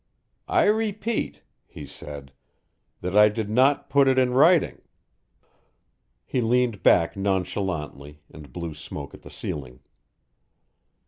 "I repeat," he said, "that I did not put it in writing." He leaned back nonchalantly and blew smoke at the ceiling.